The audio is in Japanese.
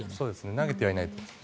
投げてはいないです。